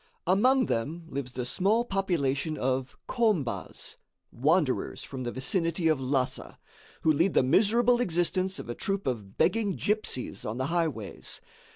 Among them lives the small population of Khombas, wanderers from the vicinity of Lhassa, who lead the miserable existence of a troupe of begging gipsies on the highways.